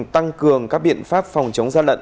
tăng cường các biện pháp phòng chống gian đận